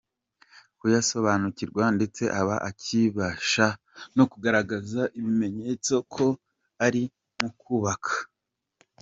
kuyasobanukirwa ndetse aba akibasha no kugaragaza ibimenyetso ko arimo kubabara.